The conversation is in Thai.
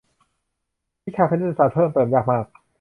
วิชาคณิตศาสตร์เพิ่มเติมยากมาก